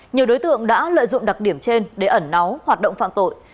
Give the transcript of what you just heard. nhiều đối tượng đã lợi dụng đặc điểm trên để ẩn náu hoạt động phạm tội